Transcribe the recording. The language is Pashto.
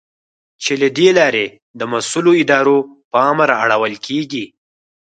چې له دې لارې د مسؤلو ادارو پام را اړول کېږي.